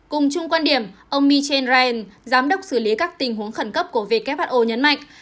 cùng chung quan điểm ông michel ryan giám đốc xử lý các tình huống khẩn cấp của who nhấn mạnh